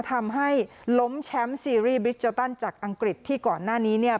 ทำให้ล้มแชมป์ซีรีส์บิชลตันจากอังกฤษที่ก่อนหน้านี้เนี่ย